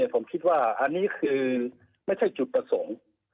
ผมคิดว่าอันนี้คือไม่ใช่จุดประสงค์